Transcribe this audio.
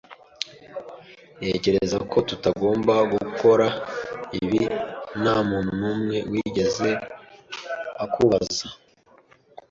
"Ntekereza ko tutagomba gukora ibi." "Nta muntu n'umwe wigeze akubaza."